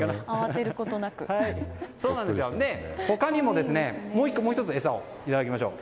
他にももう１つ餌をいただきましょう。